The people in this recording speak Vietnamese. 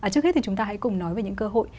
trước hết thì chúng ta hãy cùng nói về những cơ hội